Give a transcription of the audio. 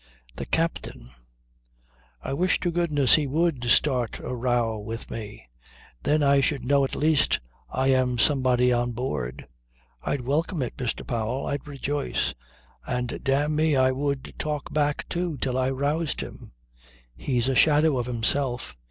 "The captain. I wish to goodness he would start a row with me. Then I should know at least I am somebody on board. I'd welcome it, Mr. Powell. I'd rejoice. And dam' me I would talk back too till I roused him. He's a shadow of himself.